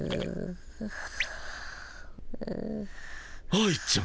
愛ちゃん。